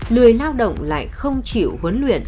lười lao động lại không chịu huấn luyện